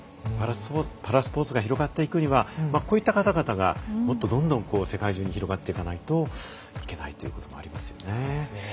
パラスポーツが広がっていくにはこうした方々がもっとどんどん世界中に広がっていかないといけないということですね。